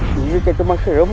curik seperti makserem